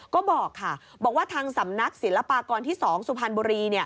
ก็บอกค่ะบอกว่าทางสำนักศิลปากรที่๒สุพรรณบุรี